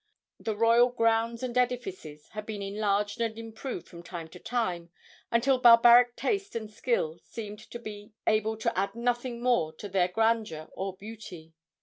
The royal grounds and edifices had been enlarged and improved from time to time, until barbaric taste and skill seemed to be able to add nothing more to their grandeur or beauty.